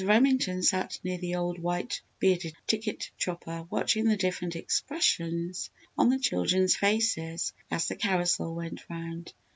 Remington sat near the old white bearded ticket chopper, watching the different expressions on the children's faces as the carousel went round.